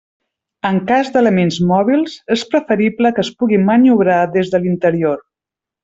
En cas d'elements mòbils és preferible que es puguin maniobrar des de l'interior.